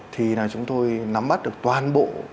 thì là chúng tôi nắm bắt được toàn bộ các đối tượng